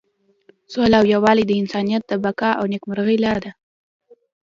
سوله او یووالی د انسانیت د بقا او نیکمرغۍ لاره ده.